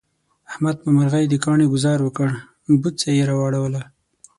احمد په مرغی د کاڼي گذار وکړ، بوڅه یې را وړوله.